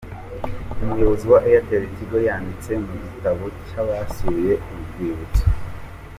Umuyobozi wa AirtelTigo yanditse mu gitabo cy'abasuye urwibutso.